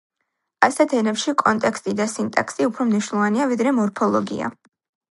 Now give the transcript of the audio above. ასეთ ენებში კონტექსტი და სინტაქსი უფრო მნიშვნელოვანია, ვიდრე მორფოლოგია.